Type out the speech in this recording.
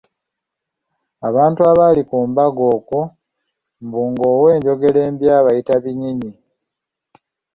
Abantu abaali ku mbaga okwo mbu ng'owenjogera mbi abayita binyinyi